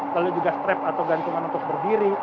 lalu juga strap atau gantungan untuk berdiri